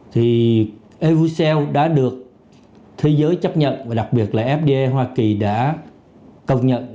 thì evercell đã được thế giới chấp nhận và đặc biệt là fda hoa kỳ đã công nhận